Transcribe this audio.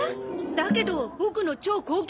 だけどボクの超高級